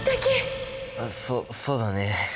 そそうだね。